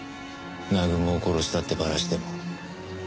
南雲を殺したってバラしても。